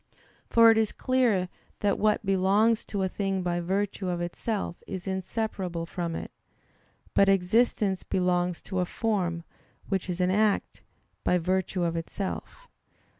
For it is clear that what belongs to a thing by virtue of itself is inseparable from it; but existence belongs to a form, which is an act, by virtue of itself.